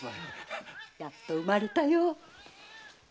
やっと産まれたよ。